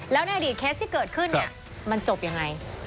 แล้วในอดีตเคสที่เกิดขึ้นเนี่ยมันจบยังไง